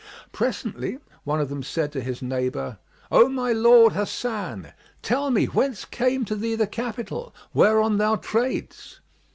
Presently, one of them said to his neighbour, "O my lord Hasan, tell me whence came to thee the capital—whereon thou trades"."